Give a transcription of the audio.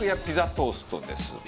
ピザトーストです。